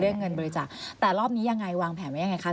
เงินบริจาคแต่รอบนี้ยังไงวางแผนไว้ยังไงคะ